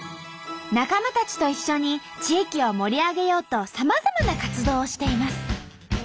仲間たちと一緒に地域を盛り上げようとさまざまな活動をしています。